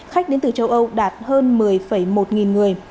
khách đến từ châu âu đạt hơn một mươi một nghìn người